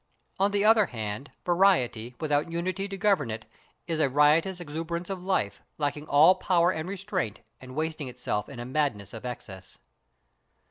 On the other hand, variety without unity to govern it is a riotous exuberance of life, lacking all power and restraint and wasting itself in a madness of excess.